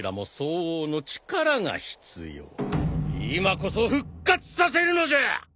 今こそ復活させるのじゃ！